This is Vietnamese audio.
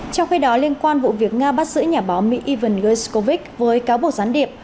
trong khi đó liên quan vụ việc nga bắt giữ nhà báo mỹ ivan guiscow với cáo buộc gián điệp